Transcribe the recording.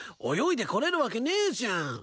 泳いでこれるわけねえじゃん。